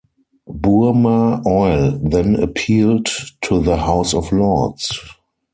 Burmah Oil then appealed to the House of Lords.